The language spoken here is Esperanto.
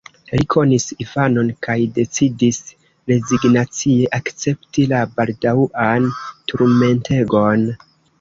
Li konis Ivanon kaj decidis rezignacie akcepti la baldaŭan turmentegon.